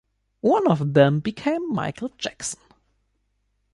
One of them became Michael Jackson.